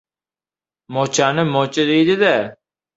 — Mochani mocha deydi-da.